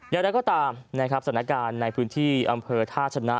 อย่างไรก็ตามนะครับสถานการณ์ในพื้นที่อำเภอท่าชนะ